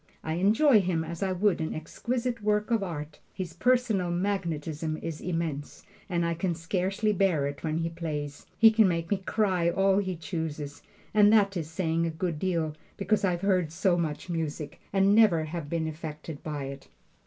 I enjoy him as I would an exquisite work of art. His personal magnetism is immense, and I can scarcely bear it when he plays. He can make me cry all he chooses, and that is saying a good deal, because I've heard so much music, and never have been affected by it.